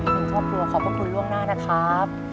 ขอบคุณครอบครัวของคุณล่วงหน้านะครับ